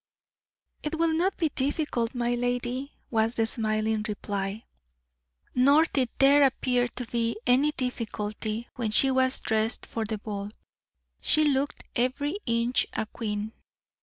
"It will not be difficult, my lady," was the smiling reply. Nor did there appear to be any difficulty when she was dressed for the ball. She looked every inch a queen.